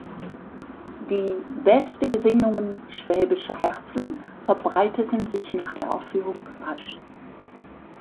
Die "Beste Gesinnungen Schwäbischer Herzen" verbreiteten sich nach der Aufführung rasch.